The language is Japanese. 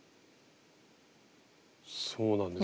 そうなんですよ。